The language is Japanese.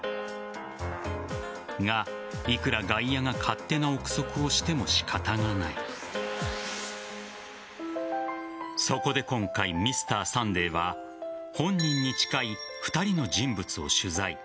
が、いくら外野が勝手な臆測をしても仕方がない。そこで今回、Ｍｒ．サンデーは本人に近い、２人の人物を取材。